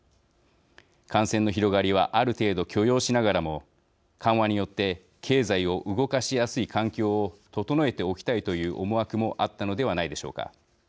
感染の広がりはある程度許容しながらも緩和によって経済を動かしやすい環境を整えておきたいという思惑もあったのではないでしょうか。